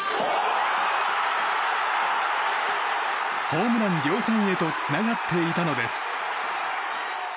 ホームラン量産へとつながっていたのです。